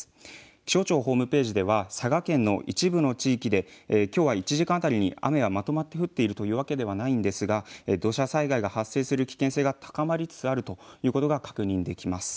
気象庁ホームページでは佐賀県の一部の地域できょうは１時間当たり雨がまとまって降っているというわけではないんですが土砂災害が発生する危険性が高まりつつあるということが確認できます。